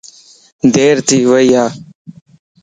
دير ٿي وئي يَ